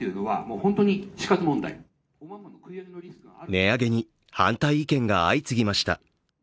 値上げに反対意見が相次ぎました。